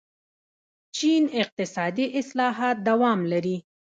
چین اقتصادي اصلاحات دوام لري.